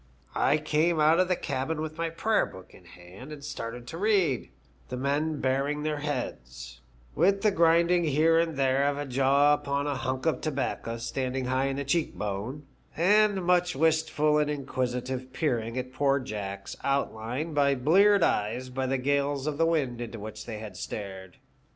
I came out of the cabin with my prayer book in my hand and started to read, the men baring their heads, i^ith the grinding here and there of a jaw upon a hunk of tobacco standing high in the cheek bone, and much wistful and inquisitive peering at poor Jack's outline by eyes bleared by the gales of wind into which they had stared.